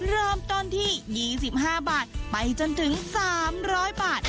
เริ่มต้นที่๒๕บาทไปจนถึง๓๐๐บาท